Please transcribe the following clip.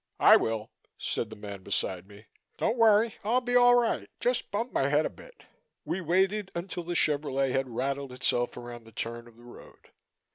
"I will," said the man beside me. "Don't worry. I'll be all right. Just bumped my head a bit." We waited until the Chevrolet had rattled itself around the turn of the road.